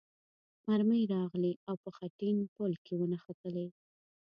مرمۍ راغلې او په خټین پل کې ونښتلې.